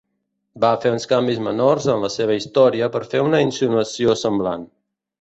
Va fer uns canvis menors en la seva història per fer una insinuació semblant.